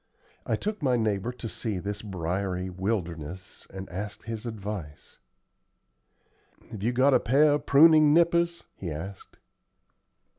I took my neighbor to see this briery wilderness, and asked his advice. "Have you got a pair of pruning nippers?" he asked.